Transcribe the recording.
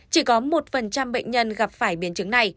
chỉ có một bệnh nhân gặp phải biến chứng này